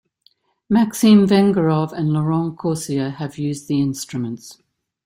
Maxim Vengerov and Laurent Korcia have used the instruments.